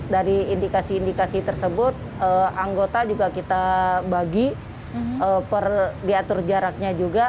dari indikasi indikasi tersebut anggota juga kita bagi diatur jaraknya juga